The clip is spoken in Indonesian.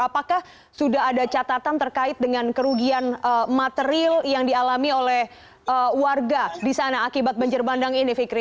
apakah sudah ada catatan terkait dengan kerugian material yang dialami oleh warga di sana akibat banjir bandang ini fikri